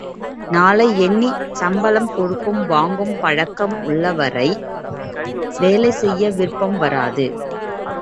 நாளை எண்ணிச் சம்பளம் கொடுக்கும், வாங்கும் பழக்கம் உள்ள வரை வேலை செய்ய விருப்பம் வராது.